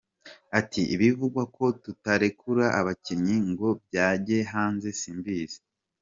Ati “Ibivugwa ko tutarekura abakinnyi ngo bajye hanze simbizi.